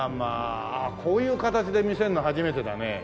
ああこういう形で見せるのは初めてだね。